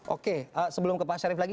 oke sebelum ke pak syarif lagi